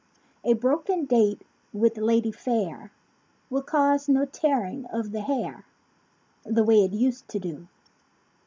A broken date with lady fair Will cause no tearing of the hair The way it used to do.